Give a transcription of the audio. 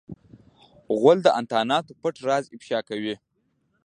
غول د انتاناتو پټ راز افشا کوي.